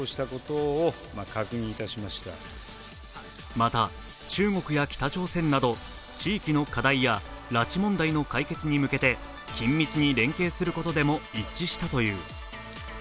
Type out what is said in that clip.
また、中国や北朝鮮など地域の課題や拉致問題の解決に向けて緊密に連携することでも一致したという。